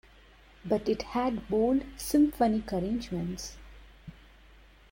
But it had bold, symphonic arrangements.